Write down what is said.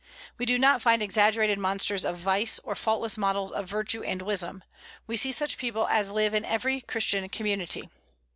We do not find exaggerated monsters of vice, or faultless models of virtue and wisdom: we see such people as live in every Christian community.